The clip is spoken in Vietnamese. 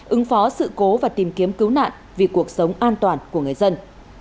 ứng phó sự cố và tìm kiếm cứu nạn vì cuộc sống an toàn của người dân